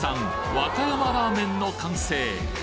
和歌山ラーメンの完成